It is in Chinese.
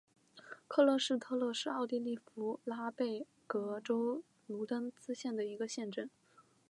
克勒施特勒是奥地利福拉尔贝格州布卢登茨县的一个市镇。